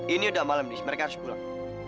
ini udah malam mereka harus pulang